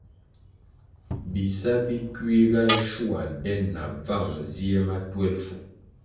Bisa bi kiuga shua den na bvan zie ma twelfu.